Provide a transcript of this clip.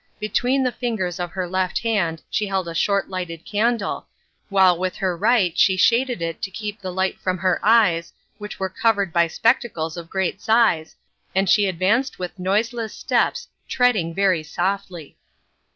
Between the fingers of her left hand she held a short lighted candle, while with her right she shaded it to keep the light from her eyes, which were covered by spectacles of great size, and she advanced with noiseless steps, treading very softly.